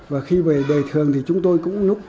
và khi về đời thường thì chúng tôi cũng lúc